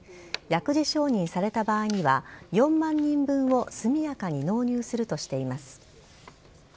薬事承認された場合には、４万人分を速やかに納入するとしています。